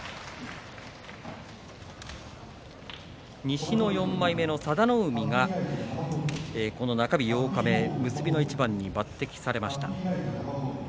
西の４枚目の佐田の海が中日、八日目結びの一番に抜てきされました。